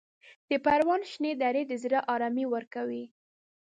د پروان شنې درې د زړه ارامي ورکوي.